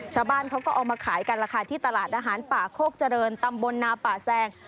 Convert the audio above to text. ชาวบ้านเขาก็เอามาขายกันราคาที่ตลาดอาหารป่าโคกเจริญตำบลนาป่าแซง